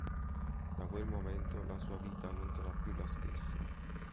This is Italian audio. Da quel momento la sua vita non sarà più la stessa.